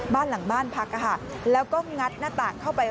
บ้านหลังบ้านพักแล้วก็งัดหน้าต่างเข้าไป